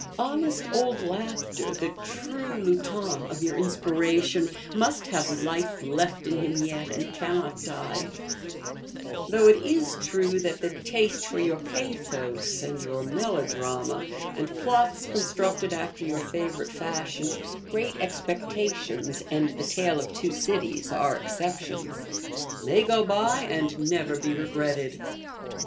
Honest old Laughter, the true lutin of your inspiration, must have life left in him yet, and cannot die; though it is true that the taste for your pathos, and your melodrama, and plots constructed after your favourite fashion ('Great Expectations' and the 'Tale of Two Cities' are exceptions) may go by and never be regretted.